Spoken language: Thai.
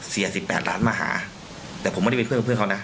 สิบแปดล้านมาหาแต่ผมไม่ได้เป็นเพื่อนกับเพื่อนเขานะ